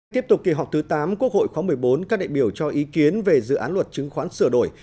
tiếp tục kỳ họp thứ tám quốc hội khóa một mươi bốn các đại biểu cho ý kiến về dự án luật chứng khoán sửa đổi